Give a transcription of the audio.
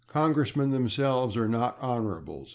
Congressmen themselves are not /Honorables